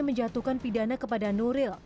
menjatuhkan pidana kepada nuril